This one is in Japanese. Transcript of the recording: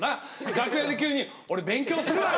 楽屋で急に「俺勉強するわ」。